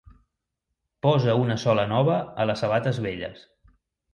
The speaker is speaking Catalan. Posa una sola nova a les sabates velles.